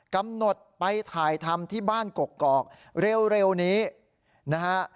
กำหนดไปถ่ายทำที่บ้านกกอกเร็วนี้นะฮะ